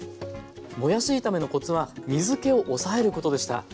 もやし炒めのコツは水けを抑えることでした。